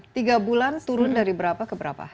tiga bulan turun dari berapa ke berapa